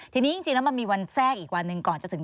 ทีนี้จริงแล้วมันมีวันแทรกอีกวันหนึ่งก่อนจะถึง